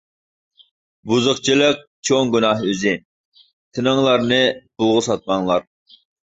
بۇزۇقچىلىق چوڭ گۇناھ ئۆزى، تىنىڭلارنى پۇلغا ساتماڭلار.